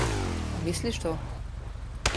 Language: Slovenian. Misliš to?